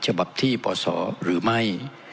ฉบับที่ปศหรือไม่